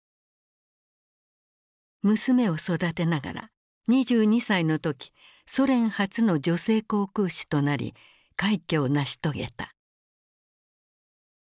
娘を育てながら２２歳の時ソ連初の女性航空士となり快挙を成し遂げた。